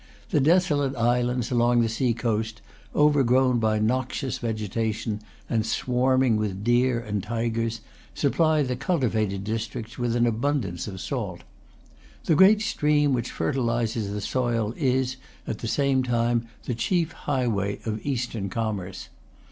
The desolate islands along the sea coast, overgrown by noxious vegetation, and swarming with deer and tigers, supply the cultivated districts with abundance of salt. The great stream which fertilises the soil is, at the same time, the chief highway of Eastern commerce.